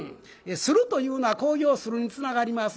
「する」というのは「興行をする」につながります。